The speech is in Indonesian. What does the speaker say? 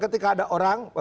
ketika ada orang